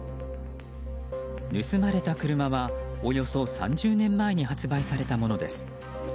盗まれた車はおよそ３０年前に発売されたものです。